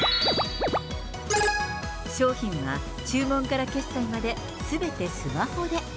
商品は注文から決済まですべてスマホで。